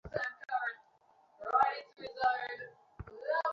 তুমি আসবে, প্লিজ?